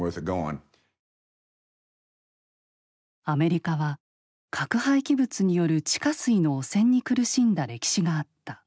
アメリカは核廃棄物による地下水の汚染に苦しんだ歴史があった。